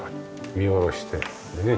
見下ろしてねえ